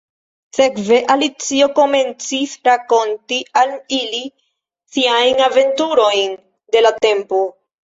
Sekve, Alicio komencis rakonti al ili siajn aventurojn de la tempo.